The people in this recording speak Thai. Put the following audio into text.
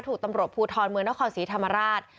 ถูกตำรวจภูทรเมืองนครศรีธรรมราช